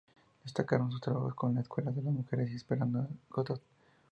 Destacaron sus trabajos con "La escuela de las mujeres" y "Esperando a Godot".